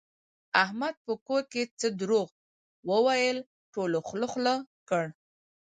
احمد په کور کې څه دروغ وویل ټولو خوله خوله کړ.